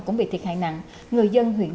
cũng bị thiệt hại nặng người dân huyện